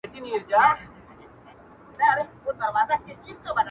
راټول سوی وه مېږیان تر چتر لاندي٫